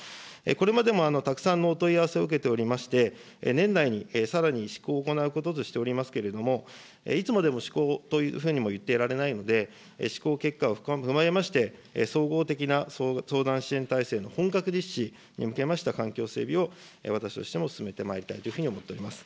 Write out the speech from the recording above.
これまでもたくさんのお問い合わせを受けておりまして、年内にさらに試行を行うこととしておりますけれども、いつまでも試行というふうにも言っていられないので、試行結果を踏まえまして、総合的な相談支援体制の本格実施に向けました、環境整備を私としても進めてまいりたいというふうに思っております。